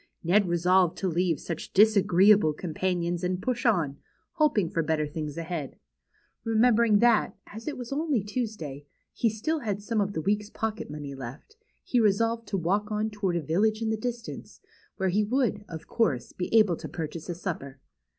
Ned resolved to leave such disagreeable companions, and push on, hoping for better things ahead. Re membering that, as it v'as only Tuesday, he still had some of this Aveek's j^ocket money left, he resolved to BEHIND THE WARDROBE. 6i walk on toward a village in the distance^ where he would; of course; be able to purchase a supper.